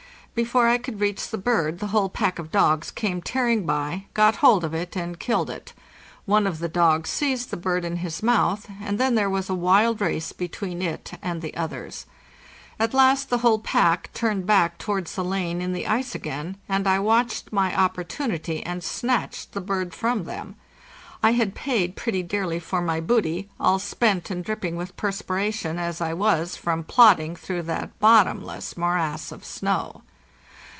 Before I could reach the bird the whole pack of dogs came tearing by, got hold of it, and killed it. One of the dogs seized the bird in his mouth, and then there was a wild race between it and the others. At last the whole pack turned back towards the lane in the ice again, and I watched my opportunity and snatched the bird from them. I had paid pretty dearly for my booty, all spent and dripping with perspiration as I was from plodding through that bottomless morass of snow.